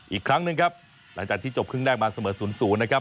อีกครั้งหนึ่งครับหลังจากที่จบครึ่งแรกมาเสมอ๐๐นะครับ